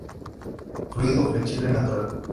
Fluido, flexible, natural.